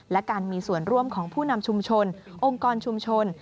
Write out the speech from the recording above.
และการมีส่วนร่วมของผู้นำชุมชนองค์กรชุมชน